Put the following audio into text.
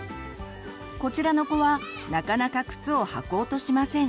こちらの子はなかなか靴をはこうとしません。